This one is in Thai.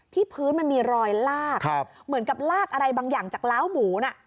พื้นมันมีรอยลากเหมือนกับลากอะไรบางอย่างจากล้าวหมูน่ะ